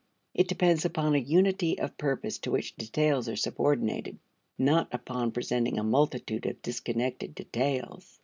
It depends upon a unity of purpose to which details are subordinated, not upon presenting a multitude of disconnected details.